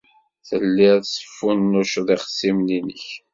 Telliḍ tesfunnuceḍ ixṣimen-nnek.